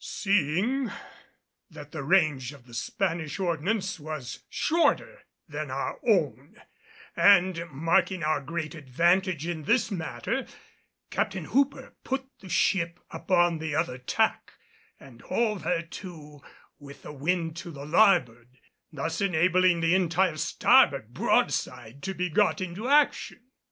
Seeing that the range of the Spanish ordnance was shorter than our own and marking our great advantage in this matter, Captain Hooper put the ship upon the other tack and hove her to with the wind to the larboard, thus enabling the entire starboard broadside to be got into action.